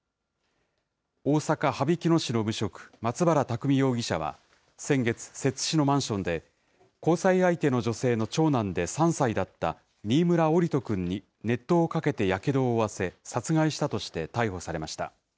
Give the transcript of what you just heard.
大阪・羽曳野市の無職、松原拓海容疑者は、先月、摂津市のマンションで、交際相手の女性の長男で３歳だった新村桜利斗くんに熱湯をかけてやけどを負わせ、殺害したとして逮捕されました。